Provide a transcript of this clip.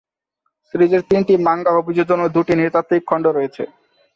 সিরিজের তিনটি মাঙ্গা অভিযোজন ও দুটি নৃতাত্ত্বিক খণ্ড রয়েছে।